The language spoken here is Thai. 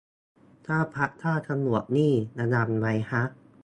ถ้าพระฆ่าตำรวจนี่ระยำไหมฮะ